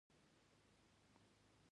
د زخم د وینې لپاره کوم ضماد وکاروم؟